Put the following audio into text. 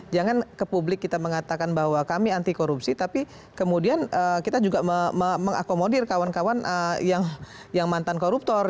jangan ke publik kita mengatakan bahwa kami anti korupsi tapi kemudian kita juga mengakomodir kawan kawan yang mantan koruptor